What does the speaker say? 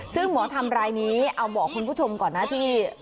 ซึ่งหมอทำรายนี้เอาบอกคุณผู้ชมก่อนนะที่หลายคนอาจจะเพิ่งเข้ามาดู